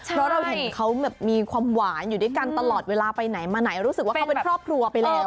เพราะเราเห็นเขาแบบมีความหวานอยู่ด้วยกันตลอดเวลาไปไหนมาไหนรู้สึกว่าเขาเป็นครอบครัวไปแล้ว